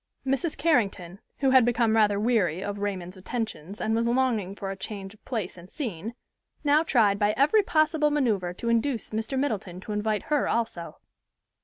Mrs. Carrington, who had become rather weary of Raymond's attentions and was longing for a change of place and scene, now tried by every possible maneuver to induce Mr. Middleton to invite her also.